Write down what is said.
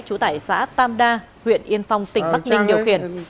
trú tại xã tam đa huyện yên phong tỉnh bắc ninh điều khiển